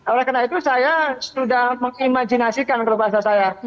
oleh karena itu saya sudah mengimajinasikan kalau bahasa saya